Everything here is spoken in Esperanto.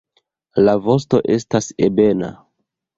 La vosto estas ebena.